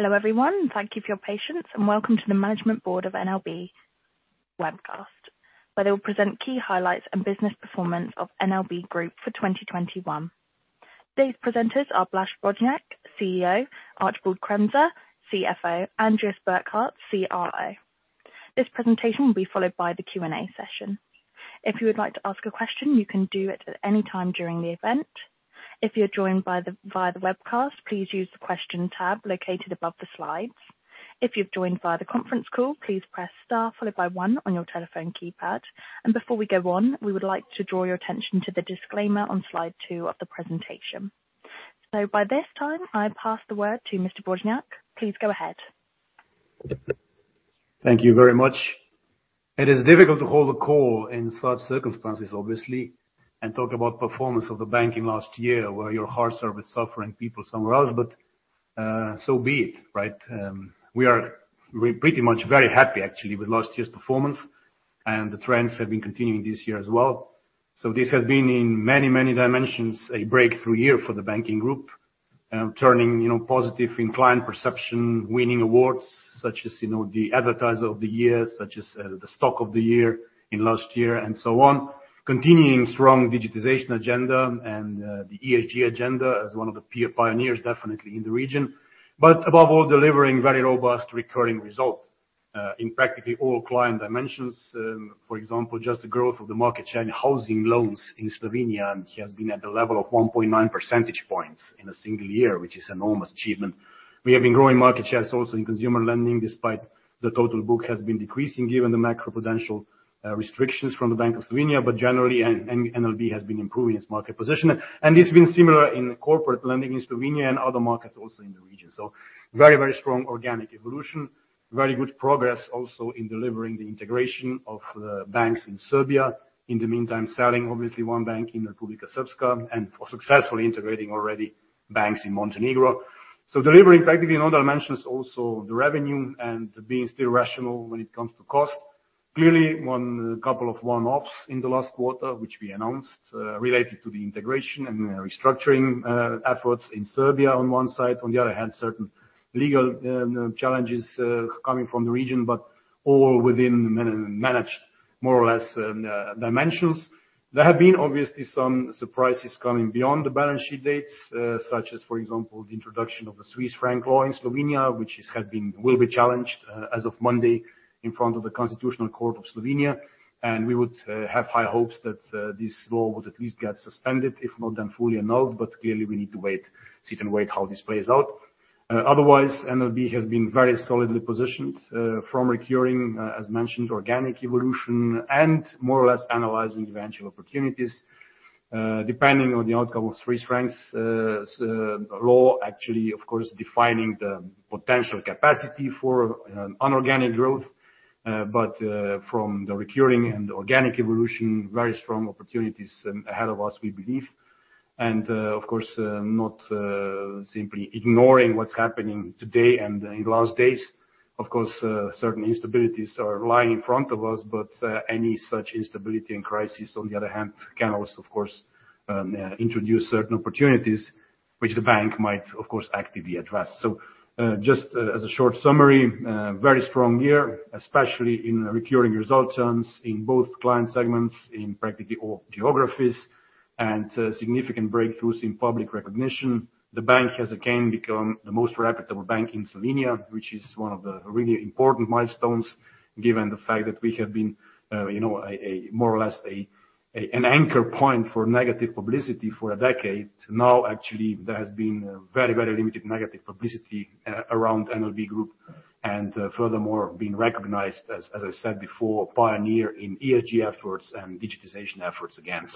Hello, everyone. Thank you for your patience, and welcome to the Management Board of NLB webcast, where they will present key highlights and business performance of NLB Group for 2021. Today's presenters are Blaž Brodnjak, CEO, Archibald Kremser, CFO, Andreas Burkhardt, CRO. This presentation will be followed by the Q&A session. If you would like to ask a question, you can do it at any time during the event. If you're joined via the webcast, please use the Question tab located above the slides. If you've joined via the conference call, please press star followed by one on your telephone keypad. Before we go on, we would like to draw your attention to the disclaimer on slide two of the presentation. By this time, I pass the word to Mr. Brodnjak. Please go ahead. Thank you very much. It is difficult to hold a call in such circumstances, obviously, and talk about performance of the banking last year, where your hearts are with suffering people somewhere else, but, so be it, right? We are pretty much very happy, actually, with last year's performance, and the trends have been continuing this year as well. This has been, in many, many dimensions, a breakthrough year for the banking group, turning, you know, positive in client perception, winning awards such as, you know, the Advertiser of the Year, such as, the Stock of the Year in last year, and so on. Continuing strong digitization agenda and, the ESG agenda as one of the pioneers, definitely in the region. Above all, delivering very robust recurring result, in practically all client dimensions. For example, just the growth of the market share in housing loans in Slovenia has been at the level of 1.9 percentage points in a single year, which is enormous achievement. We have been growing market shares also in consumer lending, despite the total book has been decreasing given the macroprudential restrictions from the Bank of Slovenia. Generally, NLB has been improving its market position. It's been similar in corporate lending in Slovenia and other markets also in the region. Very, very strong organic evolution. Very good progress also in delivering the integration of the banks in Serbia. In the meantime, selling obviously one bank in Republika Srpska and successfully integrating already banks in Montenegro. Delivering practically in all dimensions also the revenue and being still rational when it comes to cost. Clearly, couple of one-offs in the last quarter, which we announced, related to the integration and restructuring efforts in Serbia on one side. On the other hand, certain legal challenges coming from the region, but all within managed more or less dimensions. There have been obviously some surprises coming beyond the balance sheet dates, such as, for example, the introduction of the Swiss franc law in Slovenia, which will be challenged as of Monday in front of the Constitutional Court of Slovenia. We would have high hopes that this law would at least get suspended, if not then fully annulled, but clearly, we need to wait, sit and wait how this plays out. Otherwise, NLB has been very solidly positioned from recurring, as mentioned, organic evolution and more or less analyzing eventual opportunities, depending on the outcome of Swiss franc law, actually, of course, defining the potential capacity for inorganic growth. From the recurring and organic evolution, very strong opportunities ahead of us, we believe. Of course, not simply ignoring what's happening today and in the last days. Of course, certain instabilities are lying in front of us, but any such instability and crisis, on the other hand, can also, of course, introduce certain opportunities which the bank might, of course, actively address. Just as a short summary, very strong year, especially in recurring results in both client segments, in practically all geographies, and significant breakthroughs in public recognition. The bank has again become the most reputable bank in Slovenia, which is one of the really important milestones, given the fact that we have been, you know, more or less an anchor point for negative publicity for a decade. Now, actually, there has been very limited negative publicity around NLB Group, and furthermore, being recognized as I said before, a pioneer in ESG efforts and digitization efforts again.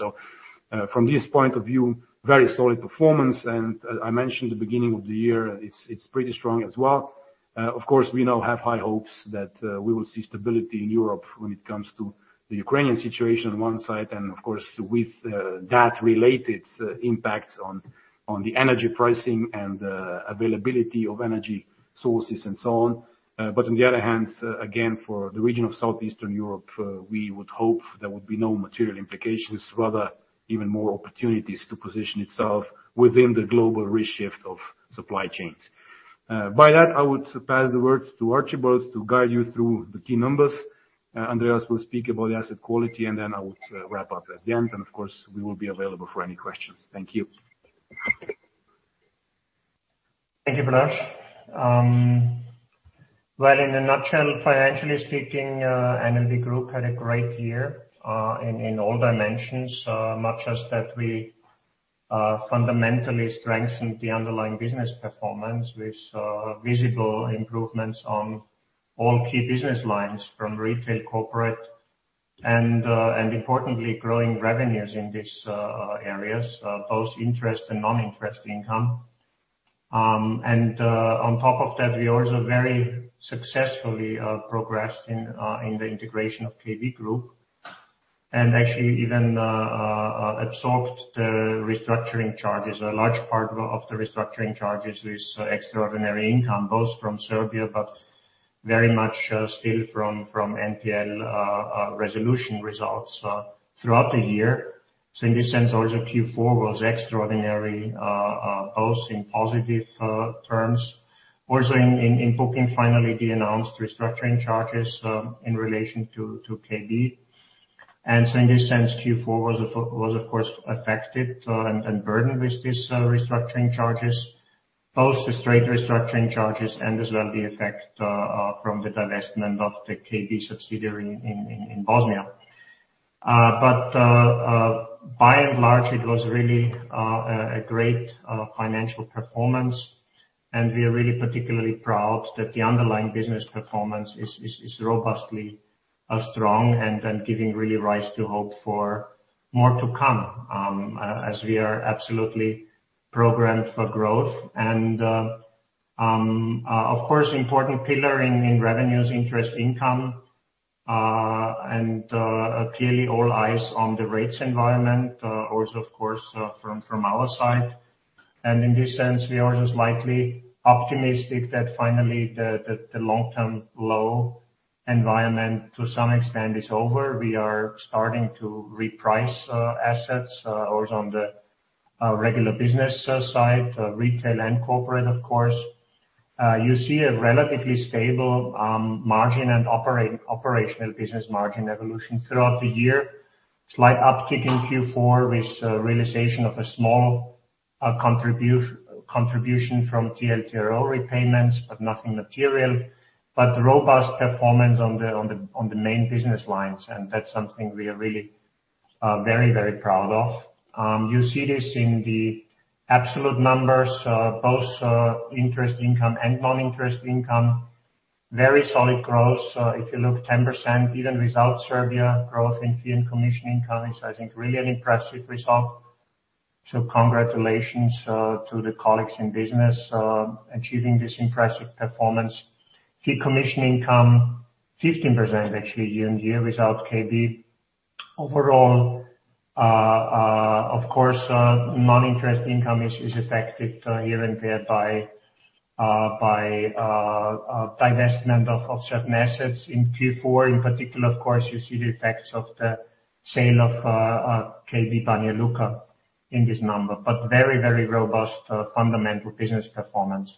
From this point of view, very solid performance, and as I mentioned at the beginning of the year, it's pretty strong as well. Of course, we now have high hopes that we will see stability in Europe when it comes to the Ukrainian situation on one side, and of course, with that related impacts on the energy pricing and availability of energy sources and so on. On the other hand, again, for the region of Southeastern Europe, we would hope there would be no material implications, rather even more opportunities to position itself within the global reshift of supply chains. By that, I would pass the word to Archibald to guide you through the key numbers. Andreas will speak about the asset quality, and then I would wrap up at the end. Of course, we will be available for any questions. Thank you. Thank you, Blaž. Well, in a nutshell, financially speaking, NLB Group had a great year in all dimensions. Not just that we fundamentally strengthened the underlying business performance with visible improvements on all key business lines from retail, corporate, and importantly, growing revenues in these areas, both interest and non-interest income. On top of that, we also very successfully progressed in the integration of KB Group. Actually even absorbed the restructuring charges, a large part of the restructuring charges with extraordinary income, both from Serbia, but. Very much still from NPL resolution results throughout the year. In this sense, Q4 was extraordinary both in positive terms. Also in booking finally the announced restructuring charges in relation to KB. In this sense, Q4 was of course affected and burdened with these restructuring charges, both the straight restructuring charges and as well the effect from the divestment of the KB subsidiary in Bosnia. By and large, it was really a great financial performance. We are really particularly proud that the underlying business performance is robustly strong and giving really rise to hope for more to come, as we are absolutely programmed for growth. Of course, important pillar in revenues, interest income, and clearly all eyes on the rates environment, also of course, from our side. In this sense, we are just lightly optimistic that finally the long-term low environment to some extent is over. We are starting to reprice assets, also on the regular business side, retail and corporate, of course. You see a relatively stable margin and operational business margin evolution throughout the year. Slight uptick in Q4 with realization of a small contribution from TLTRO repayments, but nothing material. Robust performance on the main business lines, and that's something we are really very, very proud of. You see this in the absolute numbers, both interest income and non-interest income. Very solid growth. If you look 10% even without Serbia growth in fee and commission income is, I think, really an impressive result. Congratulations to the colleagues in business achieving this impressive performance. Fee commission income 15% actually year-on-year without KB. Overall, of course, non-interest income is affected here and there by divestment of certain assets. In Q4 in particular, of course, you see the effects of the sale of KB Banja Luka in this number. Very robust fundamental business performance.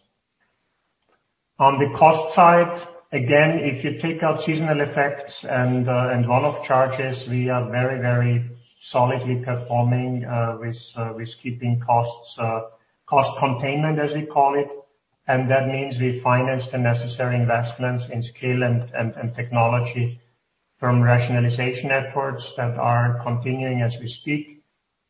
On the cost side, again, if you take out seasonal effects and one-off charges, we are very solidly performing with keeping costs, cost containment, as we call it. That means we financed the necessary investments in scale and technology from rationalization efforts that are continuing as we speak.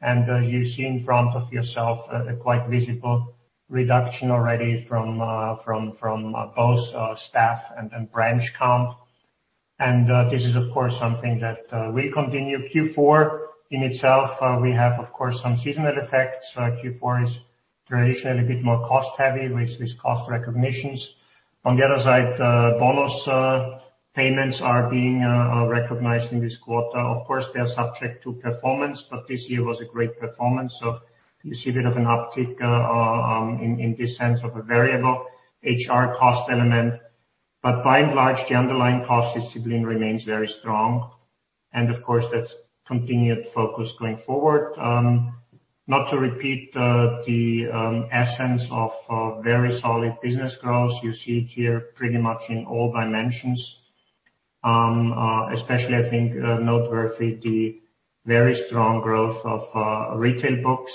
You see in front of yourself a quite visible reduction already from both staff and branch count. This is of course something that will continue. Q4 in itself, we have of course some seasonal effects. Q4 is traditionally a bit more cost-heavy with cost recognitions. On the other side, bonus payments are being recognized in this quarter. Of course, they are subject to performance, but this year was a great performance. You see a bit of an uptick in this sense of a variable HR cost element. By and large, the underlying cost discipline remains very strong. Of course, that's continued focus going forward. Not to repeat, the essence of very solid business growth. You see it here pretty much in all dimensions. Especially I think noteworthy the very strong growth of retail books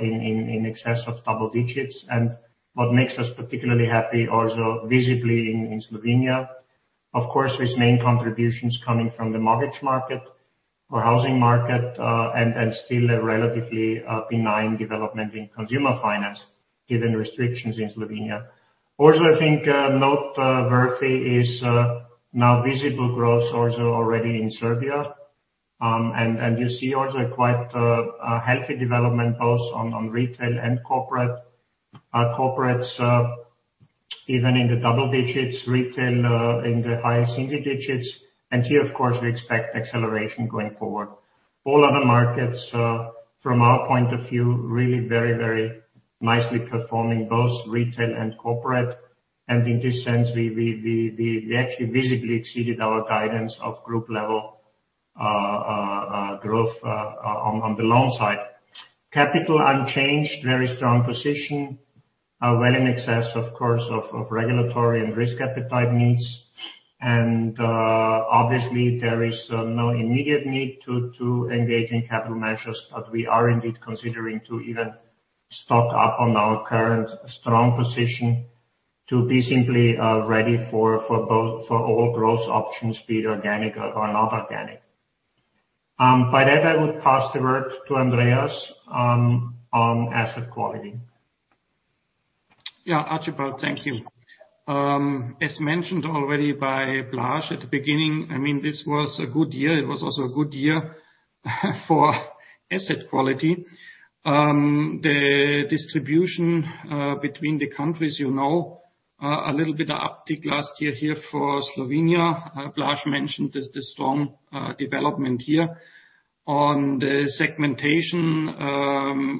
in excess of double digits. What makes us particularly happy also visibly in Slovenia, of course, with main contributions coming from the mortgage market or housing market and still a relatively benign development in consumer finance given restrictions in Slovenia. Also I think noteworthy is now visible growth also already in Serbia. You see also quite a healthy development both on retail and corporate. Corporates even in the double digits, retail in the higher single digits. Here, of course, we expect acceleration going forward. All other markets, from our point of view, really very, very nicely performing, both retail and corporate. In this sense, we actually visibly exceeded our guidance of group level growth on the loan side. Capital unchanged, very strong position, well in excess, of course, of regulatory and risk appetite needs. Obviously, there is no immediate need to engage in capital measures. We are indeed considering to even stock up on our current strong position to be simply ready for both, for all growth options, be it organic or not organic. By that, I would pass the word to Andreas on asset quality. Yeah. Archibald, thank you. As mentioned already by Blaž at the beginning, I mean, this was a good year. It was also a good year for asset quality. The distribution between the countries, you know, a little bit of uptick last year here for Slovenia. Blaž mentioned the strong development here. On the segmentation,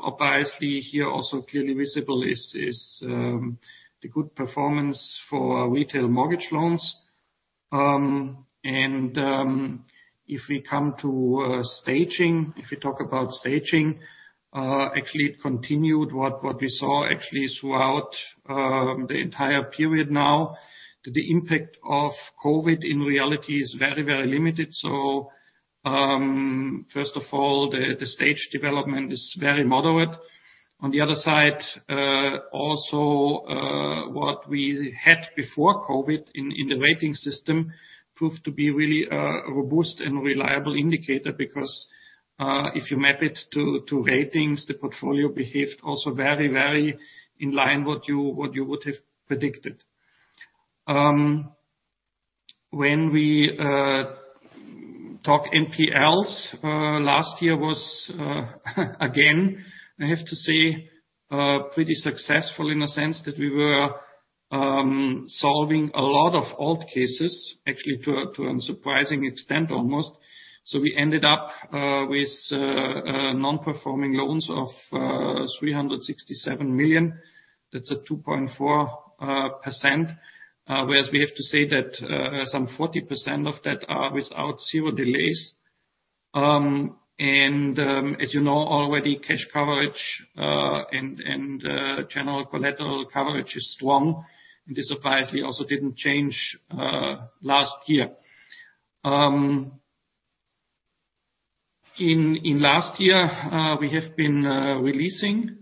obviously here also clearly visible is the good performance for retail mortgage loans. If we come to staging, if we talk about staging, actually it continued what we saw actually throughout the entire period now. The impact of COVID in reality is very, very limited. First of all, the stage development is very moderate. On the other side, also, what we had before COVID in the rating system proved to be really a robust and reliable indicator because, if you map it to ratings, the portfolio behaved also very in line what you would have predicted. When we talk NPLs, last year was again, I have to say, pretty successful in a sense that we were solving a lot of old cases actually to a surprising extent almost. We ended up with non-performing loans of 367 million. That's 2.4%. Whereas we have to say that, some 40% of that are without zero delays. As you know already, cash coverage and general collateral coverage is strong. This obviously also didn't change last year. In last year, we have been releasing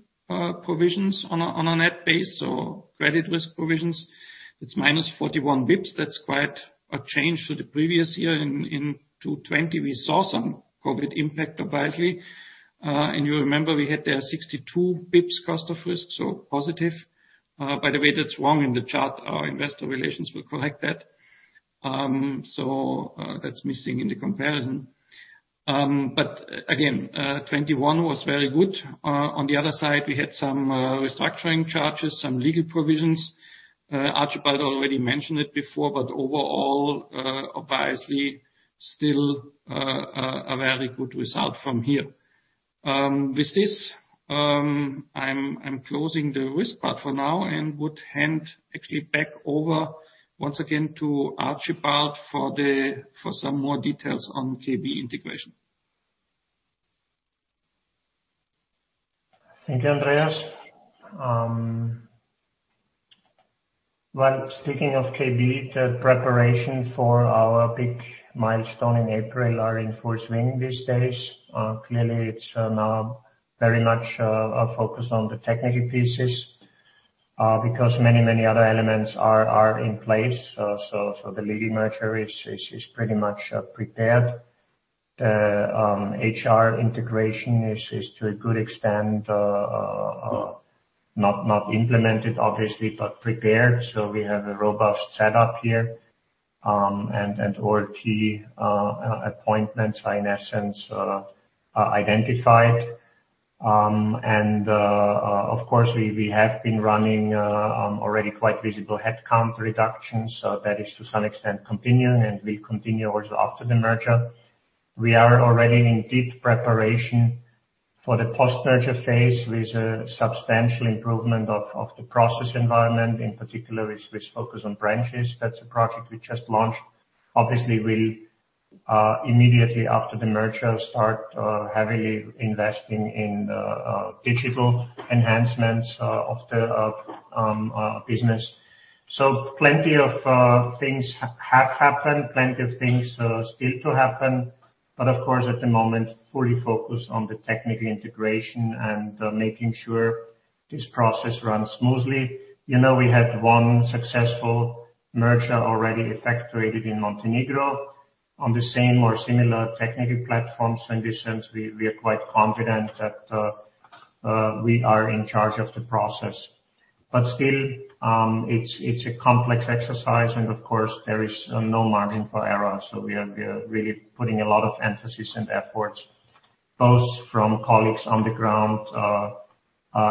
provisions on a net base, so credit risk provisions. It's minus 41 basis points. That's quite a change to the previous year. In 2020 we saw some COVID impact obviously. You remember we had there 62 basis points cost of risk, so positive. By the way, that's wrong in the chart. Our investor relations will correct that. That's missing in the comparison. Again, 2021 was very good. On the other side, we had some restructuring charges, some legal provisions. Archibald already mentioned it before, but overall, obviously still a very good result from here. With this, I'm closing the risk part for now and would hand actually back over once again to Archibald for some more details on KB integration. Thank you, Andreas. Speaking of KB, the preparation for our big milestone in April are in full swing these days. Clearly it's now very much focused on the technical pieces, because many other elements are in place. So the legal merger is pretty much prepared. The HR integration is to a good extent not implemented obviously, but prepared. We have a robust setup here, and all key appointments are in essence identified. Of course we have been running already quite visible headcount reductions. That is to some extent continuing, and we continue also after the merger. We are already in deep preparation for the post-merger phase with a substantial improvement of the process environment, in particular which focus on branches. That's a project we just launched. Obviously we'll immediately after the merger start heavily investing in digital enhancements of the business. Plenty of things have happened, plenty of things still to happen. Of course at the moment, fully focused on the technical integration and making sure this process runs smoothly. You know, we had one successful merger already effectuated in Montenegro on the same or similar technical platforms. In this sense we are quite confident that we are in charge of the process. Still, it's a complex exercise and of course there is no margin for error. We are really putting a lot of emphasis and efforts both from colleagues on the ground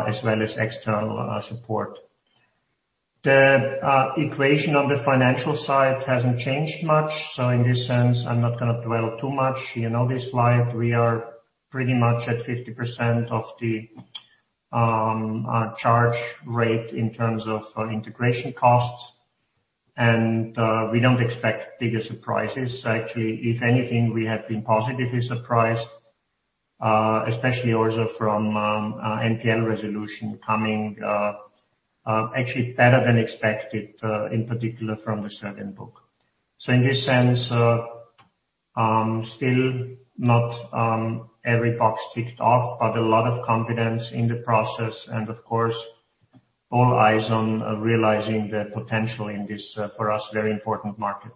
as well as external support. The equation on the financial side hasn't changed much, so in this sense I'm not gonna dwell too much. You know this slide. We are pretty much at 50% of the charge rate in terms of integration costs. We don't expect bigger surprises. Actually, if anything, we have been positively surprised, especially also from NPL resolution coming actually better than expected, in particular from the Serbian book. In this sense, still not every box ticked off, but a lot of confidence in the process and of course all eyes on realizing the potential in this for us, very important market.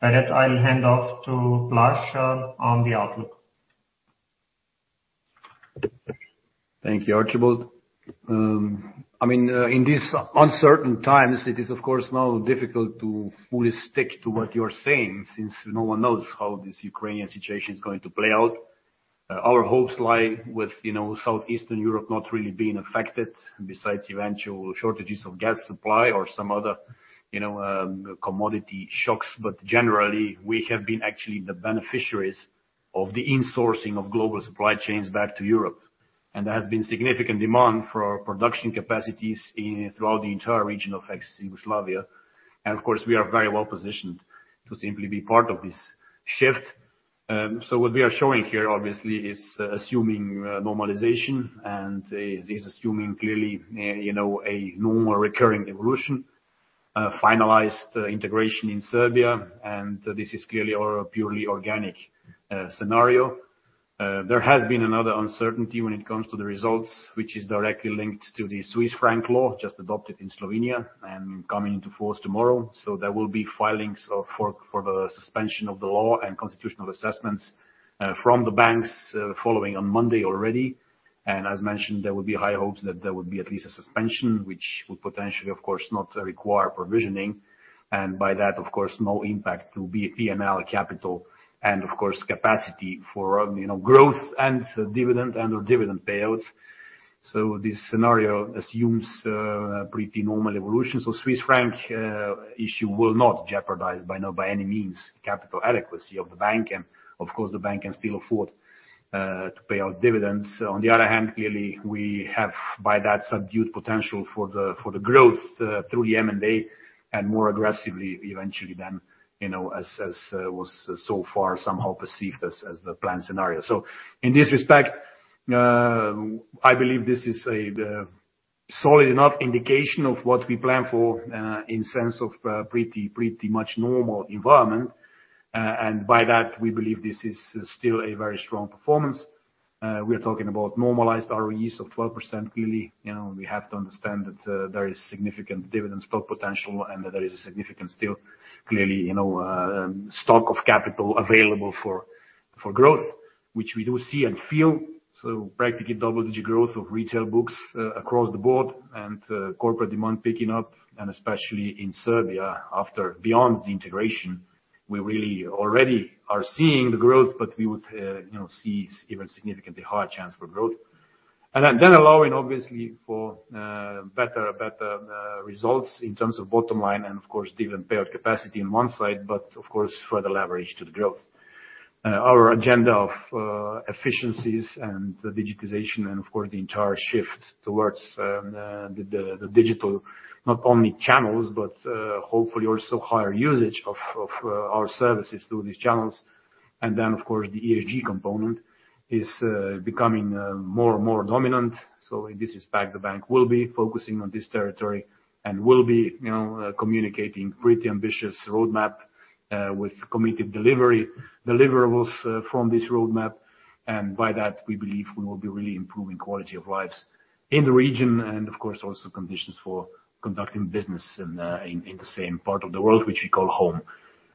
With that, I'll hand off toBlaž on the outlook. Thank you, Archibald. In these uncertain times, it is of course now difficult to fully stick to what you're saying since no one knows how this Ukrainian situation is going to play out. Our hopes lie with, you know, Southeastern Europe not really being affected besides eventual shortages of gas supply or some other, you know, commodity shocks. Generally, we have been actually the beneficiaries of the insourcing of global supply chains back to Europe. There has been significant demand for our production capacities throughout the entire region of ex-Yugoslavia. Of course, we are very well positioned to simply be part of this shift. What we are showing here, obviously, is assuming normalization, and is assuming clearly, you know, a normal recurring evolution, finalized integration in Serbia, and this is clearly all a purely organic scenario. There has been another uncertainty when it comes to the results, which is directly linked to the Swiss franc law just adopted in Slovenia and coming into force tomorrow. There will be filings for the suspension of the law and constitutional assessments from the banks, following on Monday already. As mentioned, there will be high hopes that there would be at least a suspension, which would potentially, of course, not require provisioning. By that of course, no impact to P&L capital and of course, capacity for, you know, growth and dividend and/or dividend payouts. This scenario assumes pretty normal evolution. Swiss franc issue will not jeopardize by any means capital adequacy of the bank. Of course, the bank can still afford to pay out dividends. On the other hand, clearly, we have by that subdued potential for the growth through M&A and more aggressively eventually than, you know, as was so far somehow perceived as the plan scenario. In this respect, I believe this is the solid enough indication of what we plan for in sense of pretty much normal environment. By that, we believe this is still a very strong performance. We are talking about normalized ROE of 12%. Clearly, you know, we have to understand that there is significant dividend stock potential and that there is a significant stock of capital available for growth, which we do see and feel. Practically double-digit growth of retail books across the board and corporate demand picking up, and especially in Serbia, beyond the integration, we really already are seeing the growth. We would, you know, see even significantly higher chance for growth. Then allowing obviously for better results in terms of bottom line and of course dividend payout capacity on one side, but of course further leverage to the growth. Our agenda of efficiencies and digitization and of course the entire shift towards the digital not only channels but hopefully also higher usage of our services through these channels. The ESG component is becoming more and more dominant. In this respect, the bank will be focusing on this territory and will be, you know, communicating pretty ambitious roadmap with committed deliverables from this roadmap. By that, we believe we will be really improving quality of lives in the region and of course, also conditions for conducting business in the same part of the world which we call home.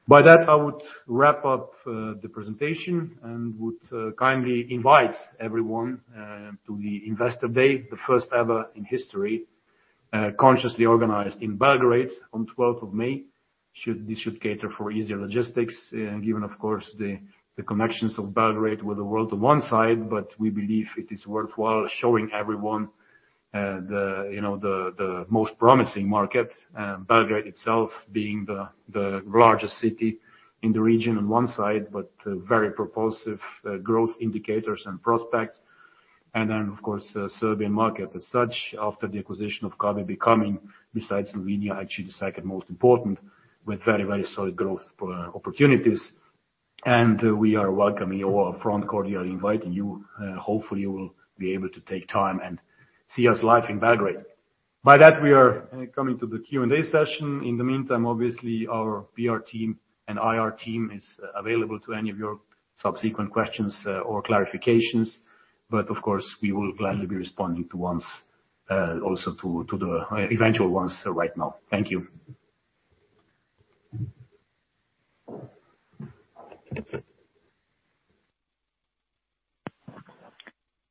By that, I would wrap up the presentation and would kindly invite everyone to the Investor Day, the first ever in history, consciously organized in Belgrade on 12 of May. This should cater for easier logistics, given of course the connections of Belgrade with the world on one side, but we believe it is worthwhile showing everyone the, you know, the most promising market, Belgrade itself being the largest city in the region on one side, but very propulsive growth indicators and prospects. Then, of course, the Serbian market as such after the acquisition of KB becoming, besides Slovenia, actually the second most important with very solid growth per opportunities. We are welcoming you all, frankly, we are inviting you. Hopefully you will be able to take time and see us live in Belgrade. By that, we are coming to the Q&A session. In the meantime, obviously, our PR team and IR team is available to any of your subsequent questions, or clarifications. Of course, we will gladly be responding to ones, also to the eventual ones right now. Thank you.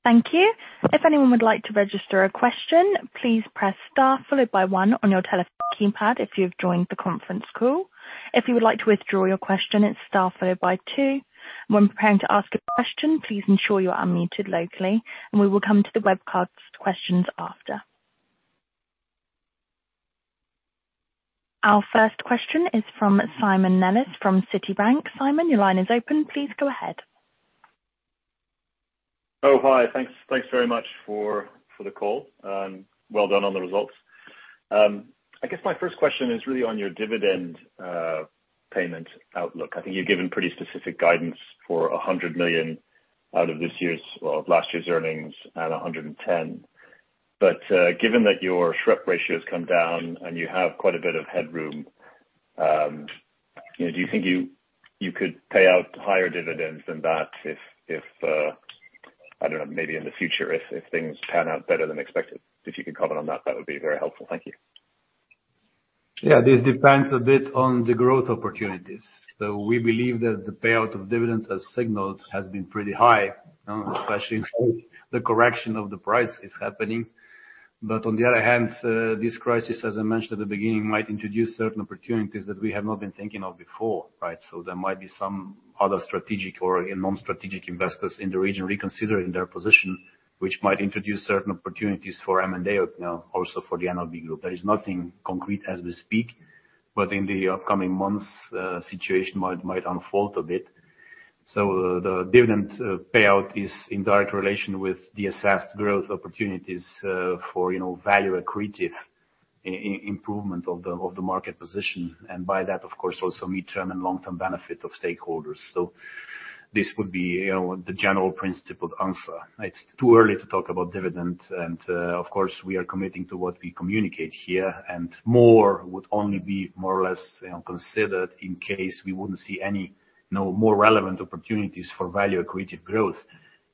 Thank you. If anyone would like to register a question, please press star followed by one on your telephone keypad if you have joined the conference call. If you would like to withdraw your question, it's star followed by two. When preparing to ask a question, please ensure you are unmuted locally, and we will come to the webcast questions after. Our first question is from Simon Nellis from Citibank. Simon, your line is open. Please go ahead. Oh, hi. Thanks. Thanks very much for the call, and well done on the results. I guess my first question is really on your dividend payment outlook. I think you've given pretty specific guidance for 100 million out of last year's earnings and 110 million. Given that your SREP ratio has come down and you have quite a bit of headroom, you know, do you think you could pay out higher dividends than that if I don't know, maybe in the future, if things pan out better than expected? If you could comment on that would be very helpful. Thank you. Yeah. This depends a bit on the growth opportunities. We believe that the payout of dividends as signaled has been pretty high, especially if the correction of the price is happening. On the other hand, this crisis, as I mentioned at the beginning, might introduce certain opportunities that we have not been thinking of before, right? There might be some other strategic or non-strategic investors in the region reconsidering their position, which might introduce certain opportunities for M&A or, you know, also for the NLB Group. There is nothing concrete as we speak, but in the upcoming months, situation might unfold a bit. The dividend payout is in direct relation with the assessed growth opportunities, for, you know, value accretive improvement of the market position. By that, of course, also midterm and long-term benefit of stakeholders. This would be, you know, the general principle of answer. It's too early to talk about dividend, and of course, we are committing to what we communicate here, and more would only be more or less, you know, considered in case we wouldn't see any, you know, more relevant opportunities for value accretive growth.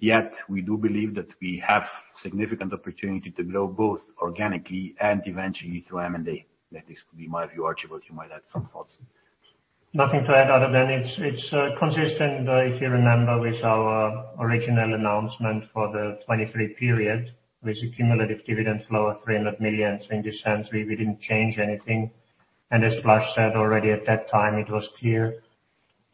Yet, we do believe that we have significant opportunity to grow both organically and eventually through M&A. That is, could be my view. Archibald, you might add some thoughts. Nothing to add other than it's consistent, if you remember with our original announcement for the 2023 period, with cumulative dividend flow at 300 million. In this sense, we didn't change anything. As Blaž said already at that time, it was clear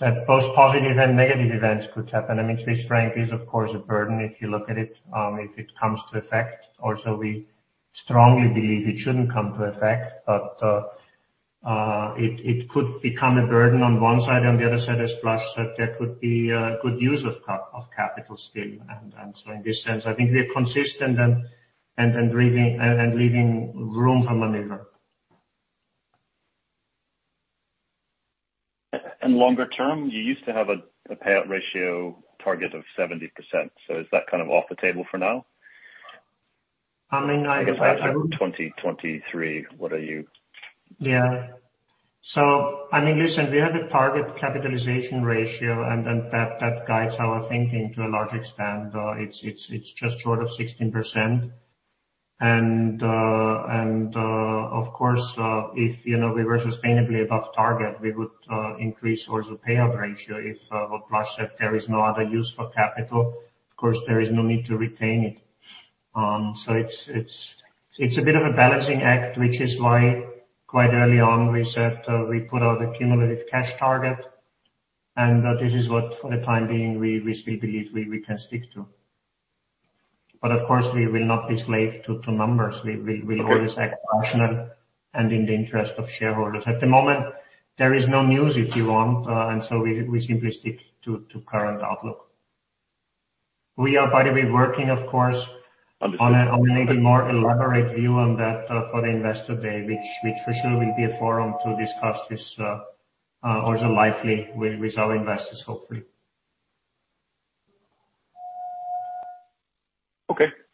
that both positive and negative events could happen. I mean, Swiss franc is of course a burden if you look at it, if it comes to effect. Also, we strongly believe it shouldn't come to effect. It could become a burden on one side. On the other side as Blaž said, there could be a good use of capital still. In this sense, I think we are consistent and leaving room for maneuver. Longer term, you used to have a payout ratio target of 70%. Is that kind of off the table for now? I mean, I guess after 2023, what are you? Yeah. I mean, listen, we have a target capitalization ratio and then that guides our thinking to a large extent. It's just short of 16%. Of course, if you know, we were sustainably above target, we would increase also payout ratio. If what Blaž said, there is no other use for capital, of course, there is no need to retain it. It's a bit of a balancing act, which is why quite early on we said we put out a cumulative cash target, and this is what for the time being we still believe we can stick to. But of course, we will not be slave to numbers. We always act rational and in the interest of shareholders. At the moment, there is no news if you want, and so we simply stick to current outlook. We are by the way working of course on a maybe more elaborate view on that for the Investor Day, which for sure will be a forum to discuss this also lively with our investors, hopefully.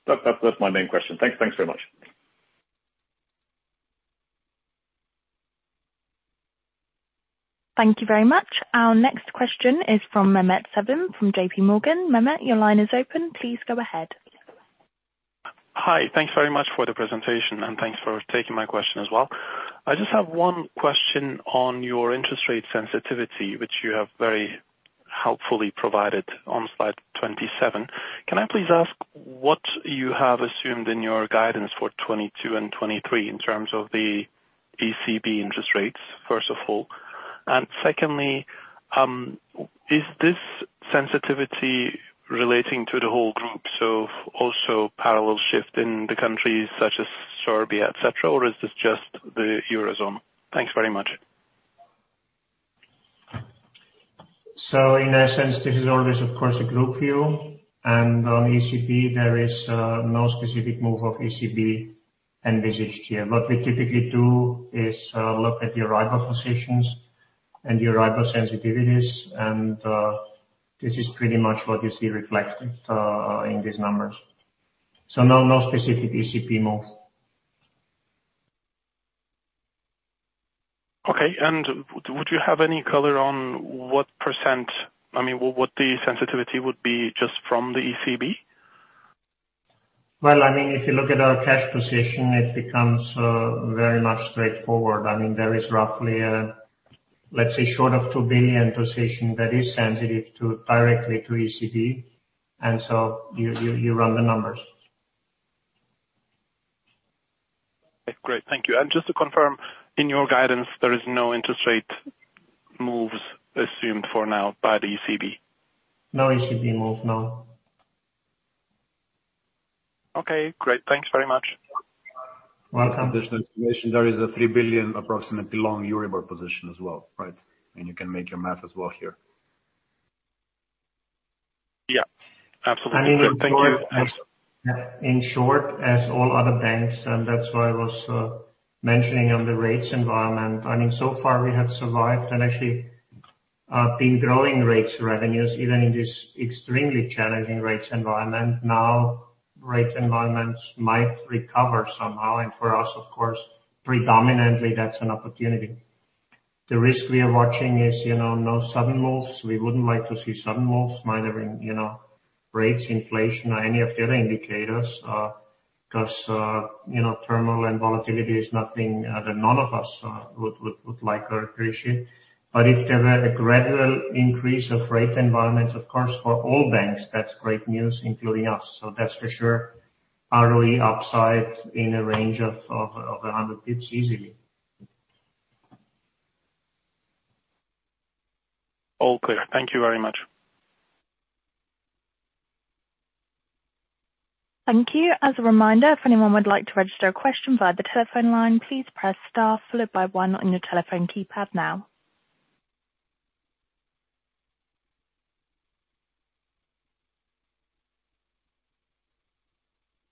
Okay. That's my main question. Thanks very much. Thank you very much. Our next question is from Mehmet Sevim from JPMorgan. Mehmet, your line is open. Please go ahead. Hi. Thanks very much for the presentation and thanks for taking my question as well. I just have one question on your interest rate sensitivity, which you have very helpfully provided on slide 27. Can I please ask what you have assumed in your guidance for 2022 and 2023 in terms of the ECB interest rates, first of all? And secondly, is this sensitivity relating to the whole group, so also parallel shift in the countries such as Serbia, et cetera, or is this just the Eurozone? Thanks very much. In essence, this is always of course, a group view. On ECB, there is no specific move of ECB envisaged here. What we typically do is look at the Euribor positions and Euribor sensitivities, and this is pretty much what you see reflected in these numbers. No specific ECB moves. Okay. Would you have any color on what percent, I mean, what the sensitivity would be just from the ECB? Well, I mean, if you look at our cash position, it becomes very much straightforward. I mean, there is roughly, let's say short of 2 billion position that is sensitive directly to ECB, and so you run the numbers. Great. Thank you. Just to confirm, in your guidance, there is no interest rate moves assumed for now by the ECB? No ECB move, no. Okay, great. Thanks very much. One additional information, there is an approximately 3 billion long Euribor position as well, right? You can make your math as well here. Yeah, absolutely. Thank you. In short, as all other banks, and that's why I was mentioning on the rates environment. I mean, so far we have survived and actually been growing rates revenues even in this extremely challenging rates environment. Now, rate environments might recover somehow, and for us of course, predominantly that's an opportunity. The risk we are watching is, you know, no sudden moves. We wouldn't like to see sudden moves, might even, you know, rates, inflation or any of the other indicators, because, you know, turmoil and volatility is nothing that none of us would like or appreciate. If there were a gradual increase of rate environments, of course, for all banks, that's great news, including us. That's for sure. We're upside in a range of 100 pips easily. All clear. Thank you very much. Thank you. As a reminder, if anyone would like to register a question via the telephone line, please press star followed by one on your telephone keypad now.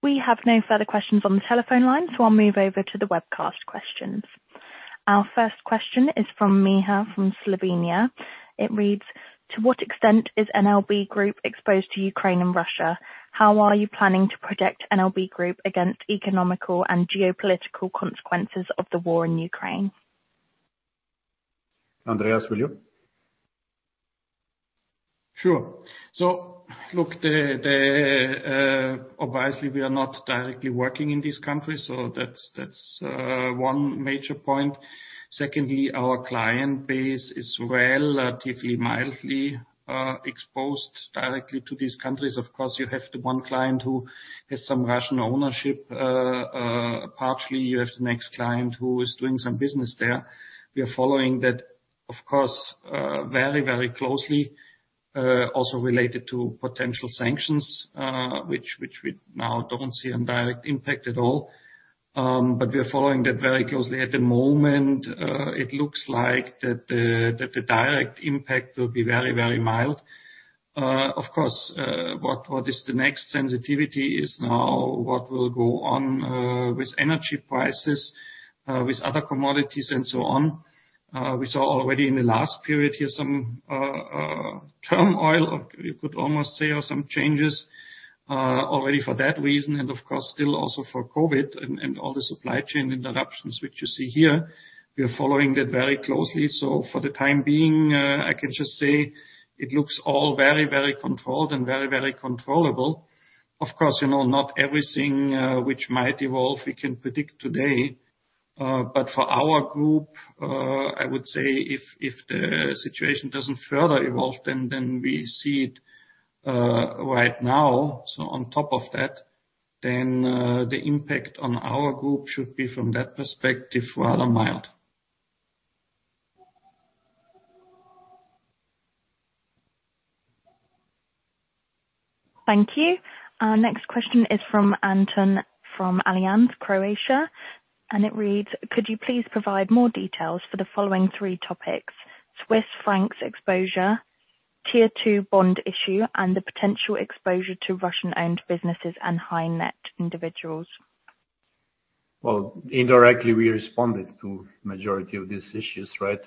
We have no further questions on the telephone line, so I'll move over to the webcast questions. Our first question is from Miha from Slovenia. It reads: To what extent is NLB Group exposed to Ukraine and Russia? How are you planning to protect NLB Group against economic and geopolitical consequences of the war in Ukraine? Andreas, will you? Sure. Obviously we are not directly working in these countries, so that's one major point. Secondly, our client base is relatively mildly exposed directly to these countries. Of course, you have the one client who has some Russian ownership partially. You have the next client who is doing some business there. We are following that, of course, very, very closely, also related to potential sanctions, which we now don't see a direct impact at all. We are following that very closely. At the moment, it looks like the direct impact will be very, very mild. Of course, what is the next sensitivity is now what will go on with energy prices with other commodities and so on. We saw already in the last period here some turmoil, or you could almost say, or some changes already for that reason and of course still also for COVID and all the supply chain interruptions which you see here. We are following that very closely. For the time being, I can just say it looks all very, very controlled and very, very controllable. Of course, you know, not everything which might evolve we can predict today, but for our group, I would say if the situation doesn't further evolve than we see it right now, so on top of that, then the impact on our group should be from that perspective rather mild. Thank you. Our next question is from Antun from Allianz, Croatia, and it reads: Could you please provide more details for the following three topics, Swiss francs exposure, Tier 2 bond issue, and the potential exposure to Russian-owned businesses and high-net-worth individuals. Well, indirectly, we responded to majority of these issues, right?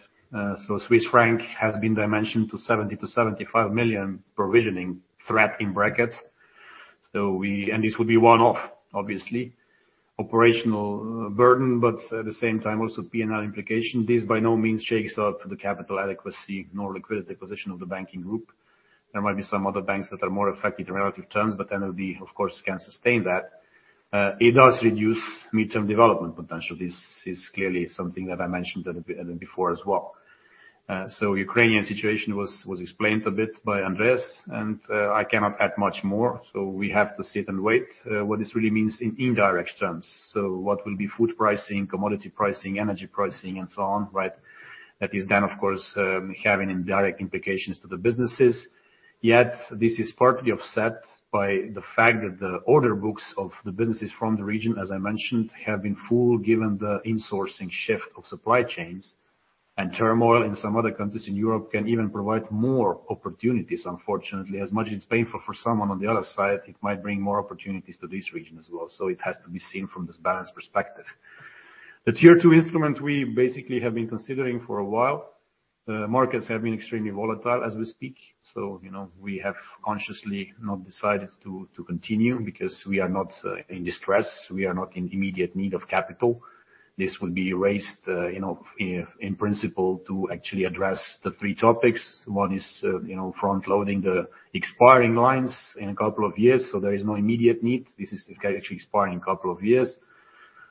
Swiss franc has been dimensioned to 70 million-75 million provisioning threat in brackets. We and this would be one-off, obviously, operational burden, but at the same time, also P&L implication. This by no means shakes up the capital adequacy nor liquidity position of the banking group. There might be some other banks that are more affected in relative terms, but NLB of course can sustain that. It does reduce midterm development potential. This is clearly something that I mentioned a bit before as well. Ukrainian situation was explained a bit by Andreas, and I cannot add much more. We have to sit and wait, what this really means in indirect terms. What will be food pricing, commodity pricing, energy pricing and so on, right? That is then of course having indirect implications to the businesses. Yet, this is partly offset by the fact that the order books of the businesses from the region, as I mentioned, have been full given the insourcing shift of supply chains. Turmoil in some other countries in Europe can even provide more opportunities, unfortunately. As much as it's painful for someone on the other side, it might bring more opportunities to this region as well. It has to be seen from this balanced perspective. The Tier 2 instrument we basically have been considering for a while. The markets have been extremely volatile as we speak, so you know, we have consciously not decided to continue because we are not in distress. We are not in immediate need of capital. This will be raised you know, in principle to actually address the three topics. One is, you know, front loading the expiring lines in a couple of years, so there is no immediate need. This is actually expiring in a couple of years.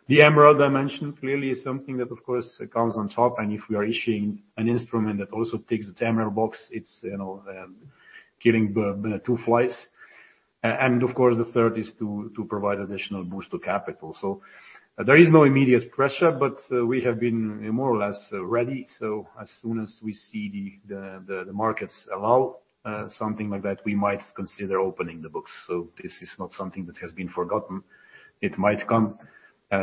The MREL I mentioned clearly is something that of course comes on top, and if we are issuing an instrument that also ticks the MREL box, it's, you know, killing two flies. And of course the third is to provide additional boost to capital. There is no immediate pressure, but we have been more or less ready. As soon as we see the markets allow something like that, we might consider opening the books. This is not something that has been forgotten. It might come.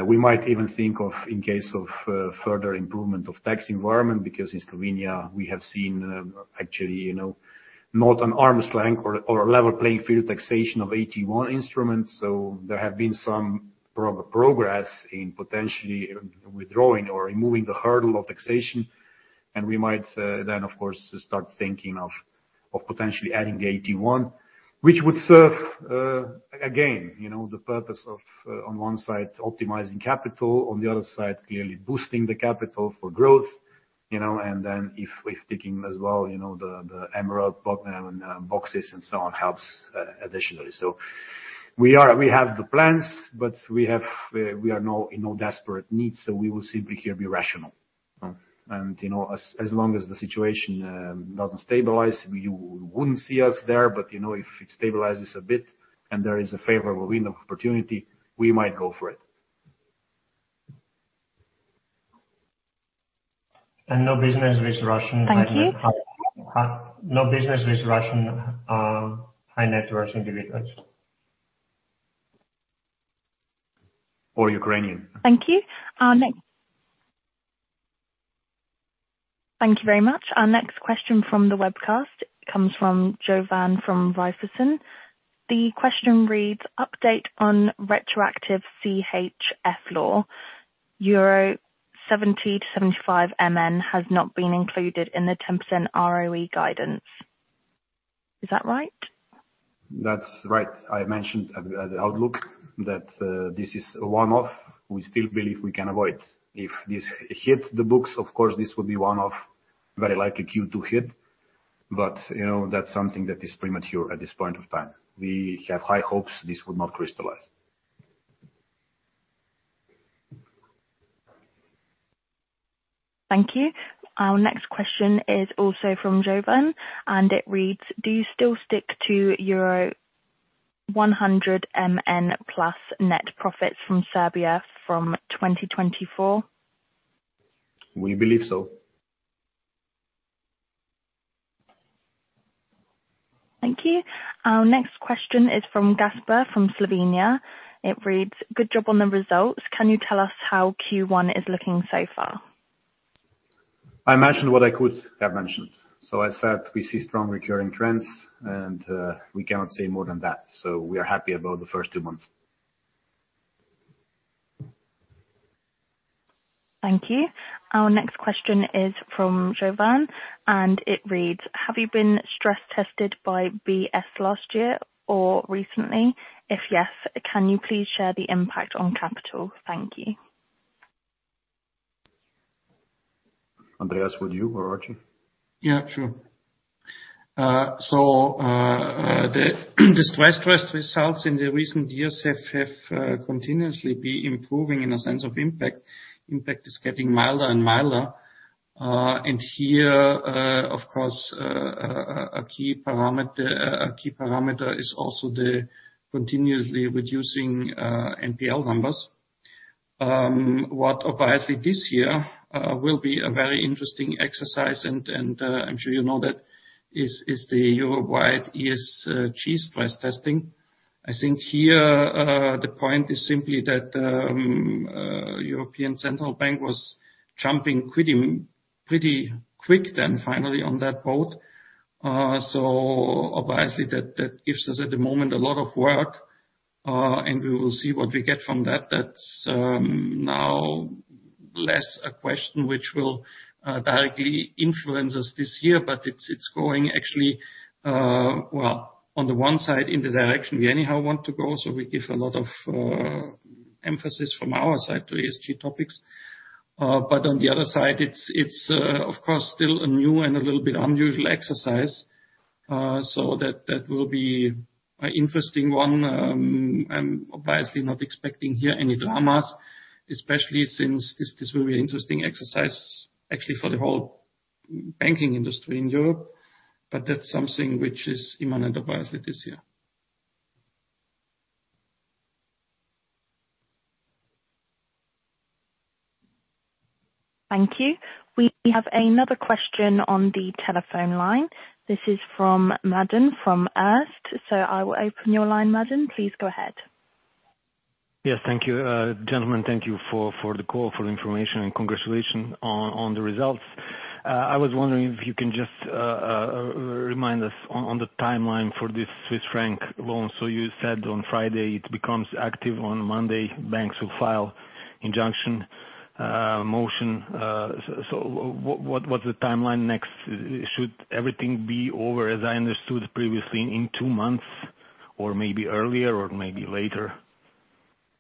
We might even think of in case of further improvement of tax environment, because in Slovenia we have seen, actually, you know, not an arm's length or a level playing field taxation of AT1 instruments. There have been some progress in potentially withdrawing or removing the hurdle of taxation. We might then of course start thinking of potentially adding the AT1, which would serve, again, you know, the purpose of on one side optimizing capital, on the other side clearly boosting the capital for growth, you know, and then if ticking as well, you know, the MREL boxes and so on helps additionally. We have the plans, but we are in no desperate need, so we will simply here be rational. You know, as long as the situation doesn't stabilize, you wouldn't see us there, but you know, if it stabilizes a bit and there is a favorable wind of opportunity, we might go for it. No business with Russian. Thank you. No business with Russian high net worth individuals. Ukrainian. Thank you. Thank you very much. Our next question from the webcast comes from Jovan from Richardson. The question reads, Update on retroactive CHF law. 70 million-75 million euro has not been included in the 10% ROE guidance. Is that right? That's right. I mentioned at the outlook that this is a one-off we still believe we can avoid. If this hits the books, of course, this will be one-off very likely Q2 hit, but you know, that's something that is premature at this point of time. We have high hopes this will not crystallize. Thank you. Our next question is also from Jovan, and it reads: Do you still stick to 100 million plus net profits from Serbia from 2024? We believe so. Thank you. Our next question is from Gaspar from Slovenia. It reads, "Good job on the results. Can you tell us how Q1 is looking so far? I mentioned what I could have mentioned. I said we see strong recurring trends and we cannot say more than that. We are happy about the first two months. Thank you. Our next question is from Jovan, and it reads: Have you been stress tested by BS last year or recently? If yes, can you please share the impact on capital? Thank you. Andreas, would you or Archie? Yeah, sure. The stress test results in the recent years have continuously be improving in a sense of impact. Impact is getting milder and milder. Here, of course, a key parameter is also the continuously reducing NPL numbers. What obviously this year will be a very interesting exercise and I'm sure you know that is the Europe-wide ESG stress testing. I think here the point is simply that European Central Bank was jumping pretty quick then finally on that boat. Obviously that gives us at the moment a lot of work and we will see what we get from that. That's now less a question which will directly influence us this year, but it's going actually well, on the one side in the direction we anyhow want to go, so we give a lot of emphasis from our side to ESG topics. But on the other side, it's of course still a new and a little bit unusual exercise. So that will be an interesting one. I'm obviously not expecting here any dramas, especially since this will be interesting exercise actually for the whole banking industry in Europe, but that's something which is imminent obviously this year. Thank you. We have another question on the telephone line. This is from Mateusz, from Erste. I will open your line, Mateusz. Please go ahead. Yes, thank you. Gentlemen, thank you for the call, for information, and congratulations on the results. I was wondering if you can just remind us on the timeline for this Swiss franc law. You said on Friday it becomes active on Monday. Banks will file injunction motion. What's the timeline next? Should everything be over, as I understood previously, in two months or maybe earlier or maybe later?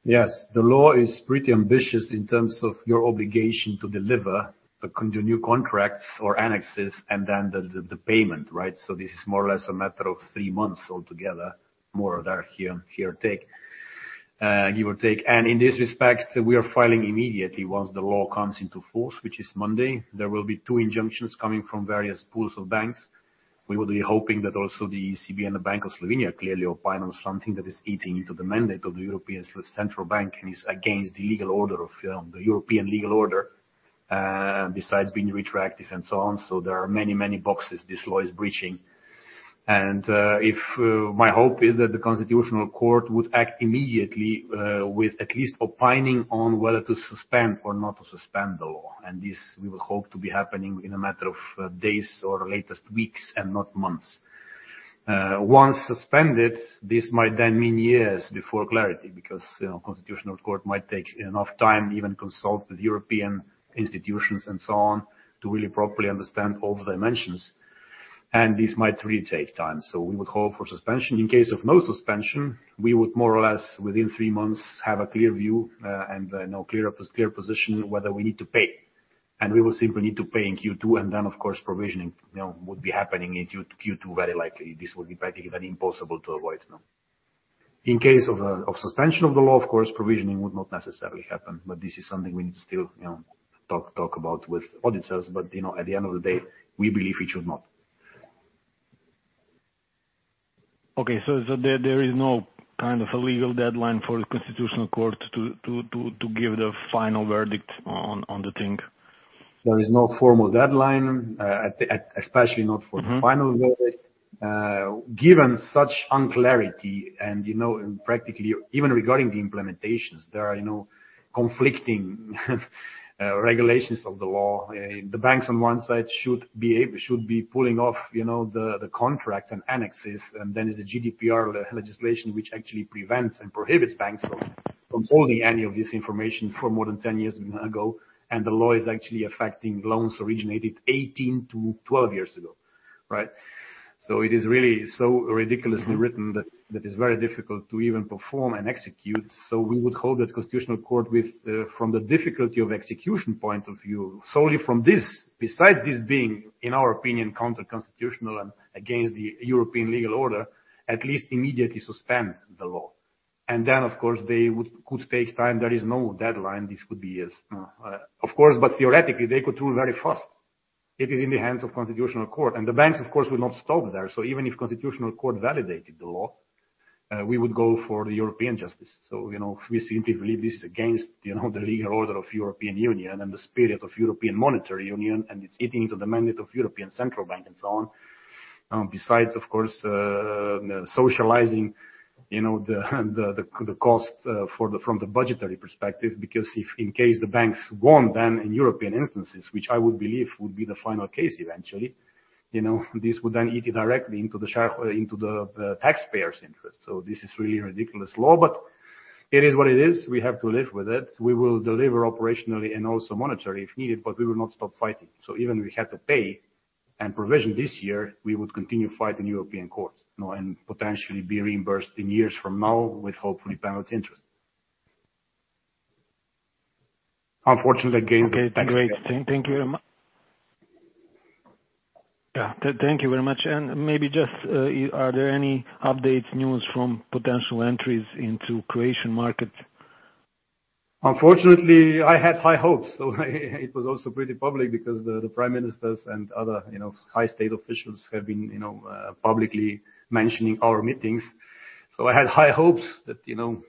Yes. The law is pretty ambitious in terms of your obligation to deliver the new contracts or annexes and then the payment, right? This is more or less a matter of three months altogether, more or less, give or take. In this respect, we are filing immediately once the law comes into force, which is Monday. There will be two injunctions coming from various pools of banks. We will be hoping that also the ECB and the Bank of Slovenia clearly opine on something that is eating into the mandate of the European Central Bank and is against the legal order of the European legal order, besides being retroactive and so on. There are many, many boxes this law is breaching. My hope is that the Constitutional Court would act immediately, with at least opining on whether to suspend or not to suspend the law. This we will hope to be happening in a matter of days or latest weeks and not months. Once suspended, this might then mean years before clarity because, you know, Constitutional Court might take enough time, even consult with European institutions and so on, to really properly understand all the dimensions, and this might really take time. We would hope for suspension. In case of no suspension, we would more or less, within three months, have a clear view, and a clear position whether we need to pay, and we will simply need to pay in Q2. Of course, provisioning, you know, would be happening in Q2, very likely. This would be practically even impossible to avoid, you know. In case of suspension of the law, of course, provisioning would not necessarily happen. This is something we need to still, you know, talk about with auditors. You know, at the end of the day, we believe it should not. Okay. There is no kind of a legal deadline for the Constitutional Court to give the final verdict on the thing? There is no formal deadline, especially not for. Mm-hmm The final verdict. Given such unclarity and, you know, practically even regarding the implementations, there are no conflicting regulations of the law. The banks on one side should be pulling off, you know, the contract and annexes. Then there's the GDPR legislation, which actually prevents and prohibits banks from holding any of this information for more than 10 years ago. The law is actually affecting loans originated 18-12 years ago, right? It is really so ridiculously written that that is very difficult to even perform and execute. We would hope that the Constitutional Court with, from the difficulty of execution point of view, solely from this. Besides this being, in our opinion, unconstitutional and against the European legal order, at least immediately suspend the law. Of course, they could take time. There is no deadline. This could be years. Of course, theoretically, they could rule very fast. It is in the hands of Constitutional Court of Slovenia. The banks, of course, will not stop there. Even if Constitutional Court of Slovenia validated the law, we would go for the European Court of Justice. You know, we simply believe this is against the legal order of European Union and the spirit of European monetary union, and it's eating into the mandate of European Central Bank and so on. Besides of course, socializing the cost from the budgetary perspective. Because if in case the banks won, then in European institutions, which I would believe would be the final case eventually, you know, this would then eat directly into the taxpayers' interest. This is really ridiculous law, but it is what it is. We have to live with it. We will deliver operationally and also monetary if needed, but we will not stop fighting. Even if we had to pay and provision this year, we would continue to fight in European courts, you know, and potentially be reimbursed in years from now with hopefully penalty interest. Unfortunately, again. Okay, great. Thank you very much. Maybe just, are there any updates, news from potential entries into Croatian market? Unfortunately, I had high hopes. It was also pretty public because the prime ministers and other, you know, high state officials have been, you know, publicly mentioning our meetings. I had high hopes that, you know,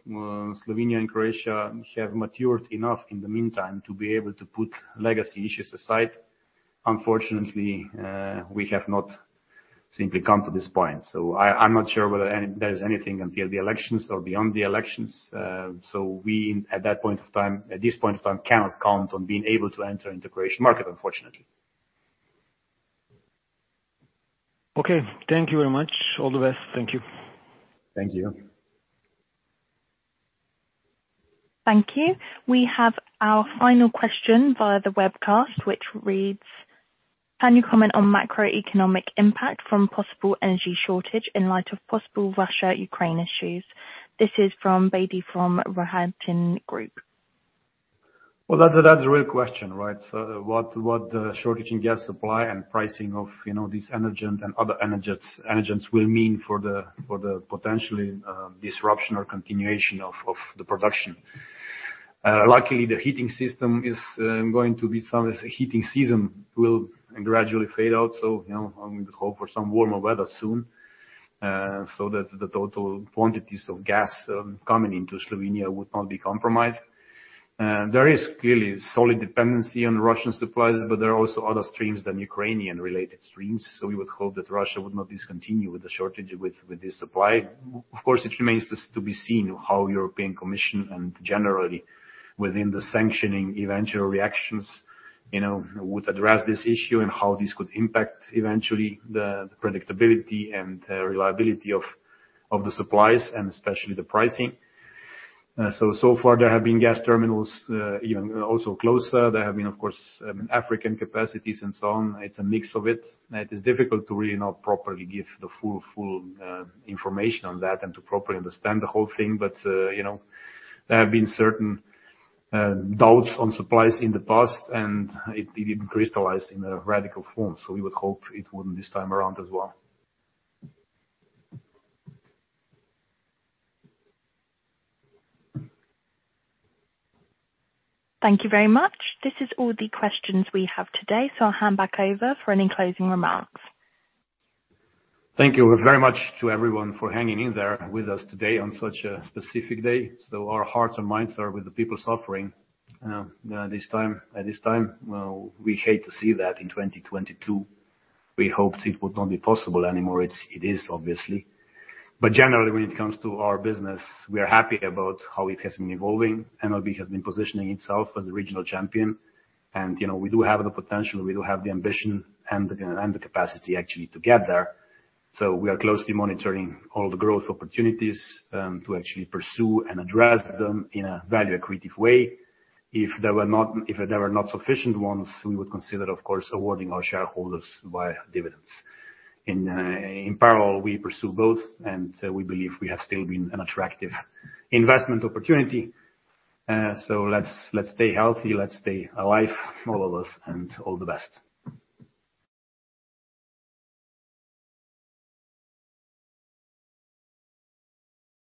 Slovenia and Croatia have matured enough in the meantime to be able to put legacy issues aside. Unfortunately, we have not simply come to this point. I'm not sure whether there is anything until the elections or beyond the elections. We at this point of time cannot count on being able to enter into Croatian market, unfortunately. Okay. Thank you very much. All the best. Thank you. Thank you. Thank you. We have our final question via the webcast, which reads: Can you comment on macroeconomic impact from possible energy shortage in light of possible Russia-Ukraine issues? This is from Pabi from Raiffeisen Group. Well, that's a real question, right? What the shortage in gas supply and pricing of, you know, this energy and other energies will mean for the potentially disruption or continuation of the production. Luckily, heating season will gradually fade out. You know, I'm going to hope for some warmer weather soon, so that the total quantities of gas coming into Slovenia would not be compromised. There is clearly solid dependency on Russian supplies, but there are also other streams than Ukrainian-related streams. We would hope that Russia would not discontinue with the shortage with this supply. Of course, it remains to be seen how European Commission and generally within the sanctioning eventual reactions, you know, would address this issue and how this could impact eventually the predictability and reliability of the supplies and especially the pricing. So far there have been gas terminals, even also closer. There have been, of course, African capacities and so on. It's a mix of it. It is difficult to really not properly give the full information on that and to properly understand the whole thing. But, you know, there have been certain doubts on supplies in the past, and it didn't crystallize in a radical form. We would hope it wouldn't this time around as well. Thank you very much. This is all the questions we have today. I'll hand back over for any closing remarks. Thank you very much to everyone for hanging in there with us today on such a specific day. Our hearts and minds are with the people suffering at this time. We hate to see that in 2022. We hoped it would not be possible anymore. It is obviously. Generally, when it comes to our business, we are happy about how it has been evolving. NLB has been positioning itself as a regional champion. You know, we do have the potential, we do have the ambition and the capacity actually to get there. We are closely monitoring all the growth opportunities to actually pursue and address them in a value-accretive way. If there were not sufficient ones, we would consider, of course, awarding our shareholders via dividends. In parallel, we pursue both, and we believe we have still been an attractive investment opportunity. Let's stay healthy, let's stay alive, all of us, and all the best.